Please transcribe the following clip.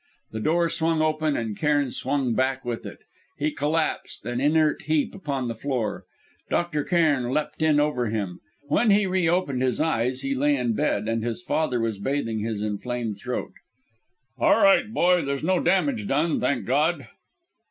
The door swung open, and Cairn swung back with it. He collapsed, an inert heap, upon the floor. Dr. Cairn leapt in over him. When he reopened his eyes, he lay in bed, and his father was bathing his inflamed throat. "All right, boy! There's no damage done, thank God...."